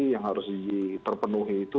yang harus diterpenuhi itu